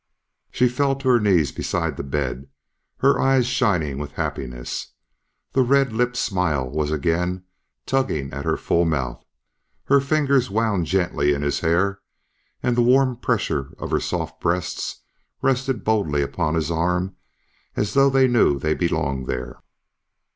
She fell to her knees beside the bed, her eyes shining with happiness. The red lipped smile was again tugging at her full mouth. Her fingers wound gently in his hair and the warm pressure of her soft breasts rested boldly upon his arm as though they knew they belonged there.